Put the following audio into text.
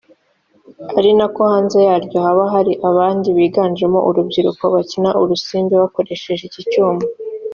ari na ko hanze yaryo haba hari abandi biganjemo urubyiruko bakina urusimbi bakoresheje iki cyuma